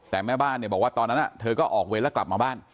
แต่แม่บ้านเนี่ยบอกว่าตอนนั้นเธอก็ออกเว้นแล้วกลับมาบ้าน